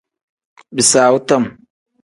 Bisaawu tam.